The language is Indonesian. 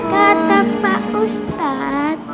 kata pak ustadz